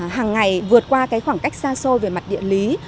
hàng ngày vượt qua khoảng cách xa xôi về mặt địa lý